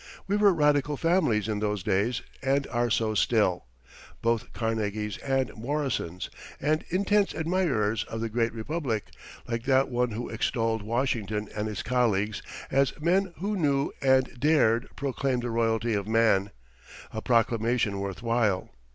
We were radical families in those days and are so still, both Carnegies and Morrisons, and intense admirers of the Great Republic, like that one who extolled Washington and his colleagues as "men who knew and dared proclaim the royalty of man" a proclamation worth while.